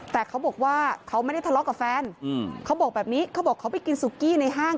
แต่เขาบอกว่าเขาไม่ได้ทะเลาะกับแฟนเขาบอกแบบนี้เขาบอกเขาไปกินสุกี้ในห้าง